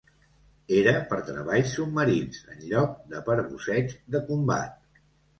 Era per treballs submarins, en lloc de per busseig de combat.